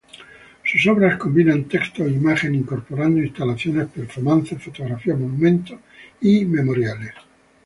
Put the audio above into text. Sus obras combinan texto e imagen, incorporando instalaciones, performances, fotografía, monumento y memoriales.